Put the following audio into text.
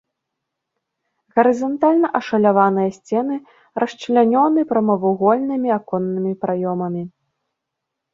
Гарызантальна ашаляваныя сцены расчлянёны прамавугольнымі аконнымі праёмамі.